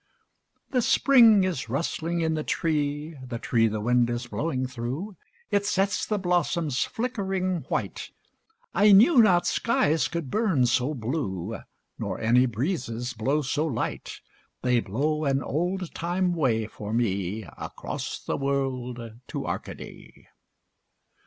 The spring is rustling in the tree The tree the wind is blowing through It sets the blossoms flickering white. I knew not skies could burn so blue Nor any breezes blow so light. They blow an old time way for me, Across the world to Arcady.